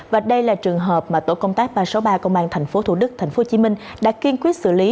và đây là trường hợp mà tổ công tác ba trăm sáu mươi ba công an tp thủ đức tp hcm đã kiên quyết xử lý